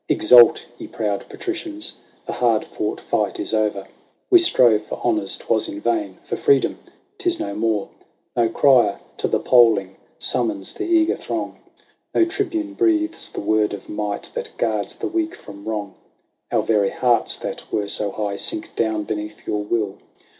Exult, ye proud Patricians ! The hard fought fight is o'er. We strove for honours — 'twas in vain : for freedom — 'tis no more. No crier to the polling summons the eager throng ; No Tribune breathes the word of might that guards the weak from wrong. Our very hearts, that were so high, sink down beneath your will.